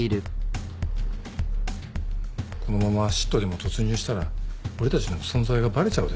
このままＳＩＴでも突入したら俺たちの存在がバレちゃうでしょ？